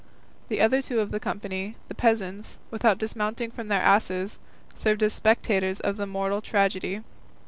The other two of the company, the peasants, without dismounting from their asses, served as spectators of the mortal tragedy.